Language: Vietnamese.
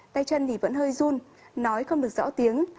tay chân thì vẫn hơi run nói không được rõ tiếng